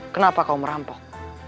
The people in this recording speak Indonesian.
kenapa kau merampok